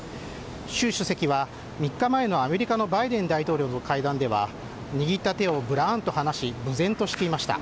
習主席は３日前のアメリカのバイデン大統領との会談では握った手をぶらんと離し憮然としていました。